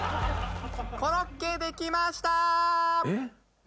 コロッケできました！